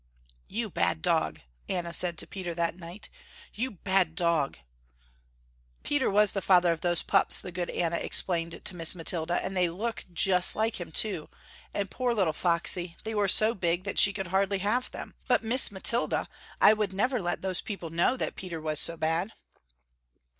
"You bad dog," Anna said to Peter that night, "you bad dog." "Peter was the father of those pups," the good Anna explained to Miss Mathilda, "and they look just like him too, and poor little Foxy, they were so big that she could hardly have them, but Miss Mathilda, I would never let those people know that Peter was so bad."